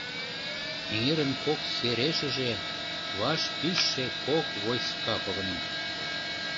Эҥерын кок серешыже ваш пижше кок «войска» погынен.